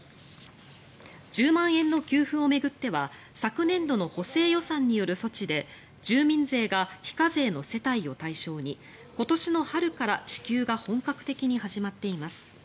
１０万円の給付を巡っては昨年度の補正予算による措置で住民税が非課税の世帯を対象に今年の春から支給が本格的に始まっています。